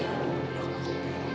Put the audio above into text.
ya aku mau ngajak kamu pulang disini